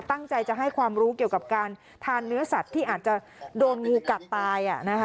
ตั้งใจจะให้ความรู้เกี่ยวกับการทานเนื้อสัตว์ที่อาจจะโดนงูกัดตาย